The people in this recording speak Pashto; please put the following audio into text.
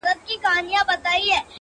مجبورۍ پر خپل عمل کړلې پښېمانه.!